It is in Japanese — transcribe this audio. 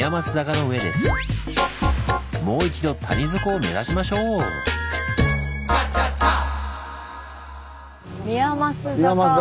もう一度谷底を目指しましょう！宮益坂。